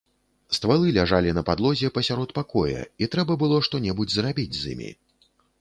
Ствалы ляжалі на падлозе пасярод пакоя, і трэба было што-небудзь зрабіць з імі.